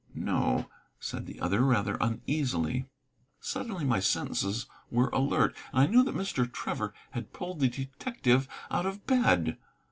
"No," said the other, rather uneasily. Suddenly my senses were alert, and I knew that Mr. Trevor had pulled the detective out of bed.